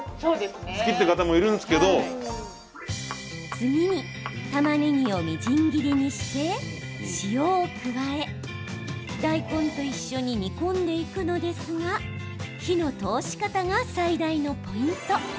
次にたまねぎをみじん切りにして塩を加え、大根と一緒に煮込んでいくのですが火の通し方が最大のポイント。